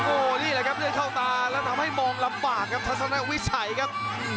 โอ้โหนี่แหละครับเลือดเข้าตาแล้วทำให้มองลำบากครับทัศนวิสัยครับ